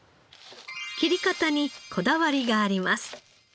切り方にこだわりがあります。